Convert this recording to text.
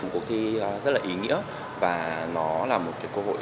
cuộc thi rất là ý nghĩa và nó là một cái cơ hội